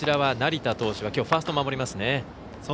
成田投手、きょうはファーストを守りますね。